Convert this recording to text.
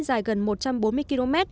dài gần một trăm bốn mươi km